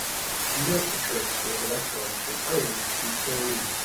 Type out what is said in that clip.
Note the transfer of electrons from Fe to Cl.